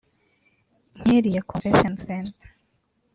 nk’iriya convention center